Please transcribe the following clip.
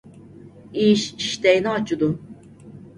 ئىش ئىشتەينى ئاچىدۇ.